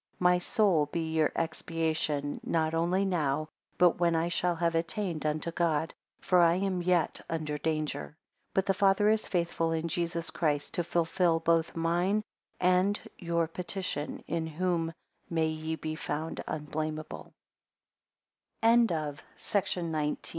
My soul be your expiation, not only now, but when I shall have attained unto God; for I am yet under danger. 9 But the Father is faithful in Jesus Christ, to fulfil both mine and your petition; in whom may ye be found